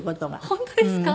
本当ですか？